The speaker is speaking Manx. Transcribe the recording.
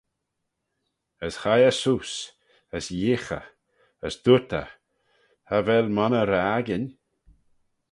As hie eh seose, as yeeagh eh, as dooyrt eh, cha vel monney ry-akin.